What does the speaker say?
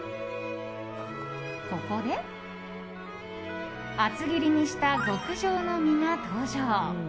ここで厚切りにした極上の身が登場。